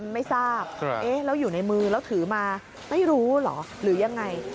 ไม่ทราบแล้วอยู่ในมือแล้วถือมาไม่รู้เหรอหรือยังไง